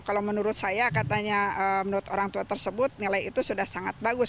kalau menurut saya katanya menurut orang tua tersebut nilai itu sudah sangat bagus